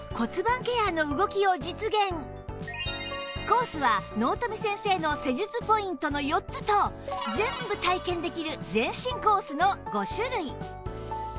コースは納富先生の施術ポイントの４つと全部体験できる全身コースの５種類